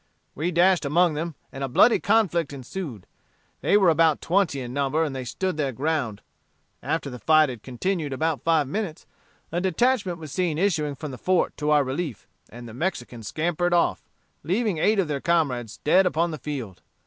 We dashed among them, and a bloody conflict ensued. They were about twenty in number, and they stood their ground. After the fight had continued about five minutes, a detachment was seen issuing from the fort to our relief, and the Mexicans scampered of, leaving eight of their comrades dead upon the field.